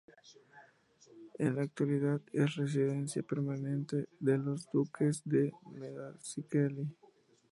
En la actualidad es residencia permanente de los duques de Medinaceli.